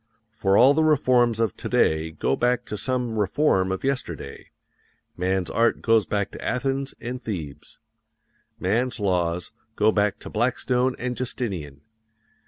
For all the reforms of to day go back to some reform of yesterday. Man's art goes back to Athens and Thebes. Man's laws go back to Blackstone and Justinian.